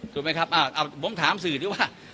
ถูกไหมครับผมถามสื่อที่ว่า